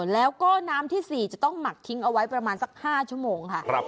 แล้วก็น้ำที่๔จะต้องหมักทิ้งเอาไว้ประมาณสัก๕ชั่วโมงค่ะ